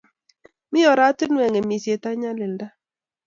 Mi ortinwekwak ng'emisiet ak nyalilda.